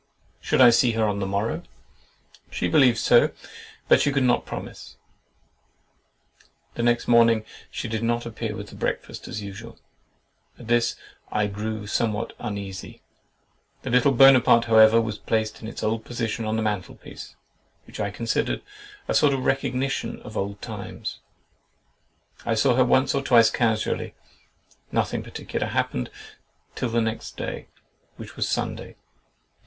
—"Should I see her on the morrow?"—"She believed so, but she could not promise." The next morning she did not appear with the breakfast as usual. At this I grew somewhat uneasy. The little Buonaparte, however, was placed in its old position on the mantelpiece, which I considered as a sort of recognition of old times. I saw her once or twice casually; nothing particular happened till the next day, which was Sunday.